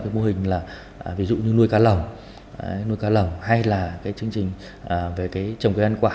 cái mô hình là ví dụ như nuôi cá lồng nuôi cá lồng hay là cái chương trình về cái trồng cây ăn quả